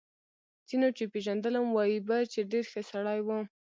ځینو چې پېژندلم وايي به چې ډېر ښه سړی و